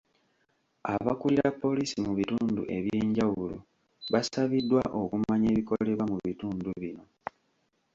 Abakulira poliisi mu bitundu ebyenjawulo basabiddwa okumanya ebikolebwa mu bitundu bino.